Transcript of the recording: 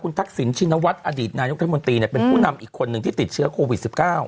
คุณทักษิณชินวัสตร์อดีตนายกรัฐมนตรีเนี่ยเป็นผู้นำอีกคนหนึ่งที่ติดเชื้อโควิดสิบเก้า